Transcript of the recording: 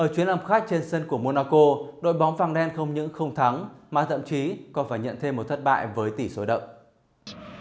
chuyến lâm khách trên sân của monaco đội bóng vàng đen không những không thắng mà thậm chí còn phải nhận thêm một thất bại với tỷ số đậm